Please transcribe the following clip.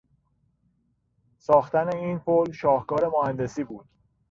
ساختن این پل شاهکار مهندسی بود.